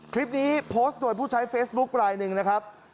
คลิปนี้โพสต์โดยผู้ใช้เฟซบุ๊คลายหนึ่งนะครับ